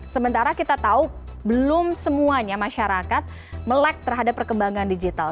sementara kita tahu belum semuanya masyarakat melek terhadap perkembangan digital